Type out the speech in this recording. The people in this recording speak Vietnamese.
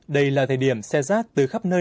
đây là thời điểm xe rác từ khắp nơi